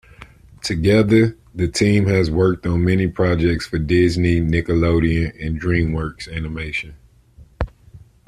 Together, the team has worked on many projects for Disney, Nickelodeon, and DreamWorks Animation.